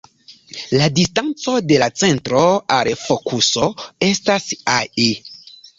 La distanco de la centro al fokuso estas "ae".